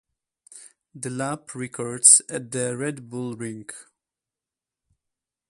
The lap records at the Red Bull Ring.